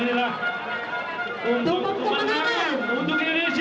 pemotongan perang untuk indonesia